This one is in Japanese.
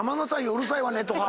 うるさいわね」とか。